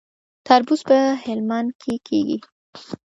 تربوز په هلمند کې کیږي